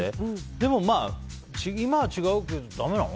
でも、今は違うってだめなの？